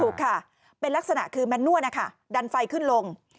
ถูกค่ะเป็นลักษณะคือแมนนั่วดันไฟขึ้นลง